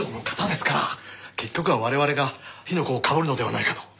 結局は我々が火の粉をかぶるのではないかと。